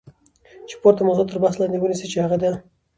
چی پورته موضوعات تر بحث لاندی ونیسی چی هغه د